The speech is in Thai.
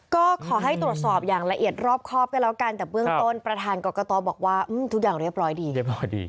ก็ขอให้ตรวจสอบอย่างละเอียดรอบครอบก็แล้วกันแต่เบื้องต้นประธานกรกตบอกว่าทุกอย่างเรียบร้อยดีเรียบร้อยดี